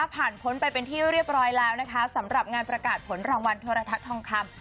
พ้นไปเป็นที่เรียบร้อยแล้วนะคะสำหรับงานประกาศผลรางวัลโทรทัศน์ทองคำ